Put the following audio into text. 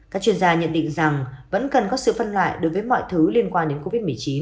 các chuyên gia nhận định rằng vẫn cần có sự phân loại đối với mọi thứ liên quan đến covid một mươi chín